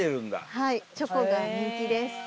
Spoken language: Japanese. はいチョコが人気です。